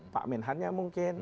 pak menhan nya mungkin